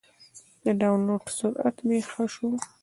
د ډاونلوډ سرعت مې ښه شو.